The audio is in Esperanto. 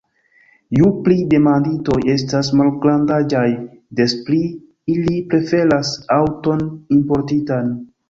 Ju pli demanditoj estas malgrandaĝaj, des pli ili preferas aŭton importitan.